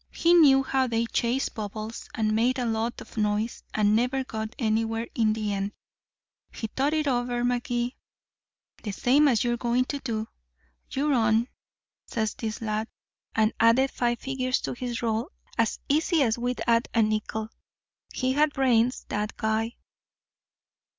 He knew how they chased bubbles, and made a lot of noise, and never got anywhere in the end. He thought it over, Magee, the same as you're going to do. 'You're on,' says this lad, and added five figures to his roll as easy as we'd add a nickel. He had brains, that guy."